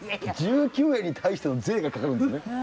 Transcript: １９円に対しての税がかかるんですね。